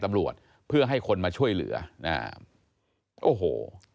ตำรวจเพื่อให้คนมาช่วยเหลืออ่าโอ้โห